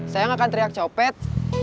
saya nggak akan teriak copet